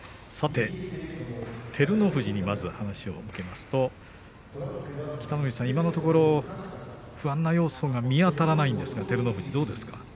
さて照ノ富士にまず話を向けますと今のところ不安な要素は見当たらないんですがどうですか。